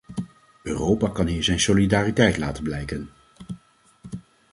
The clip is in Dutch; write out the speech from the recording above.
Europa kan hier zijn solidariteit laten blijken.